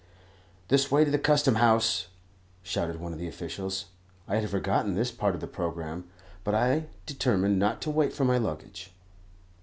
"This way to the Custom House," shouted one of the officials. I had forgotten this part of the programme, but I determined not to wait for my luggage.